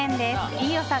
飯尾さん